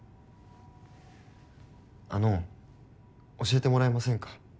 あの教えてもらえませんか？